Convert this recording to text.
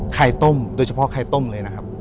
ไข่ต้มโดยเฉพาะไข่ต้มเลยนะครับ